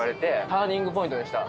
ターニングポイントでした。